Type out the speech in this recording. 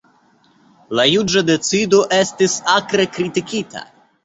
La juĝa decido estis akre kritikita.